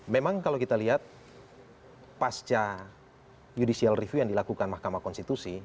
memang kalau kita lihat pasca judicial review yang dilakukan mahkamah konstitusi